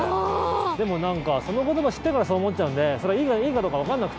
でも、その言葉知ってからそう思っちゃうんでいいかどうかわからなくて。